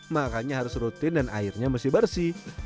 makannya harus rutin dan airnya mesti bersih